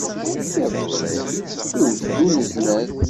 Iḍelli, iwet-d uneznaz.